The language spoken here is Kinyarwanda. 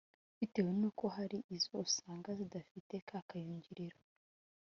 bitewe nuko hari izo usanga zidafite ka kayungiro